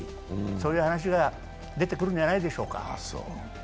そういう話が出てくるんじゃないでしょうか。